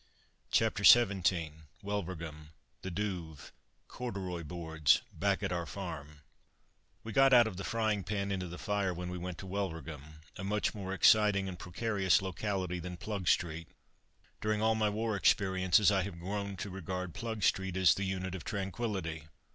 CHAPTER XVII WULVERGHEM THE DOUVE CORDUROY BOARDS BACK AT OUR FARM We got out of the frying pan into the fire when we went to Wulverghem a much more exciting and precarious locality than Plugstreet. During all my war experiences I have grown to regard Plugstreet as the unit of tranquillity.